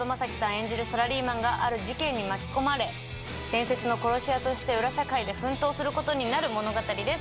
演じるサラリーマンがある事件に巻き込まれ伝説の殺し屋として裏社会で奮闘する事になる物語です。